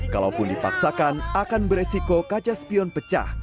kalaupun dipaksakan akan beresiko kaca spion pecah